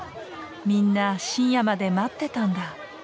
みんな深夜まで待ってたんだ。